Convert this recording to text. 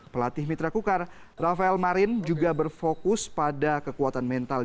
pelatih mitra kukar rafael marin juga berfokus pada kekuatan mental